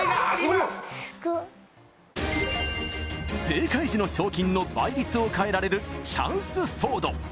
正解時の賞金の倍率を変えられるチャンスソード